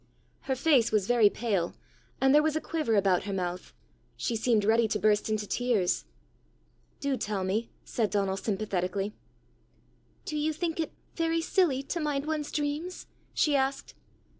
Her face was very pale, and there was a quiver about her mouth: she seemed ready to burst into tears. "Do tell me," said Donal sympathetically. "Do you think it very silly to mind one's dreams?" she asked.